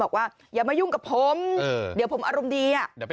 บอกว่าอย่ามายุ่งกับผมเดี๋ยวผมอารมณ์ดี